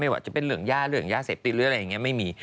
ว่าจะเป็นเรื่องย่าเรื่องยาเสพติดหรืออะไรอย่างนี้ไม่มี